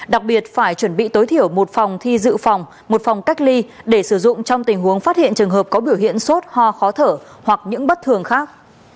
đặc biệt phải chuẩn bị tối thiểu một phòng thi dự phòng một phòng cách ly để sử dụng trong tình huống phát hiện trường hợp có biểu hiện sốt ho khó thở hoặc những bất thường khác